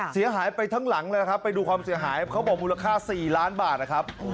เสียหายไปทั้งหลังเลยครับไปดูความเสียหายเขาบอกมูลค่า๔ล้านบาทนะครับ